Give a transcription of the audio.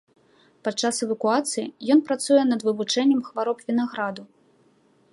Падчас эвакуацыі ён працуе над вывучэннем хвароб вінаграду.